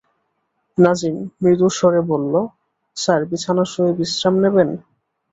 নাজিম মৃদুস্বরে বলল, স্যার, বিছানায় শুয়ে বেশ্রাম নিবেন?